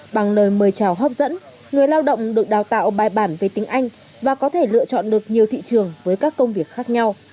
bằng lời mời chào hấp dẫn người lao động được đào tạo bài bản về tiếng anh và có thể lựa chọn được nhiều thị trường với các công việc khác nhau